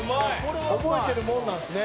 「覚えてるもんなんですね」